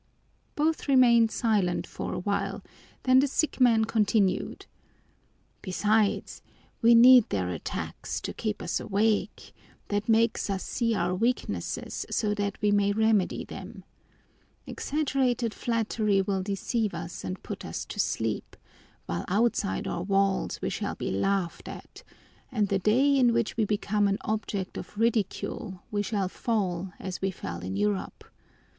Both remained silent for a time, then the sick man continued: "Besides, we need their attacks, to keep us awake; that makes us see our weaknesses so that we may remedy them. Exaggerated flattery will deceive us and put us to sleep, while outside our walls we shall be laughed at, and the day in which we become an object of ridicule, we shall fall as we fell in Europe.